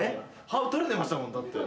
歯取れてましたもんだって。